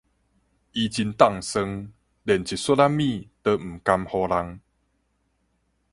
伊真凍霜，連一屑仔物都毋甘予人